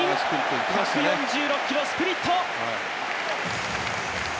１４６キロ、スプリット！